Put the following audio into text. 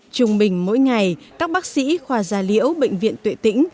trung bình mỗi ngày các bác sĩ khoa gia liễu bệnh viện tuệ tĩnh